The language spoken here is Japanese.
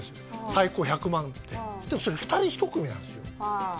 最高１００万円ででもそれ２人１組なんですよで